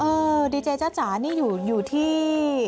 เออดีเจจ้าจ๋านี่อยู่อยู่ที่